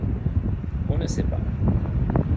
On ne sait pas.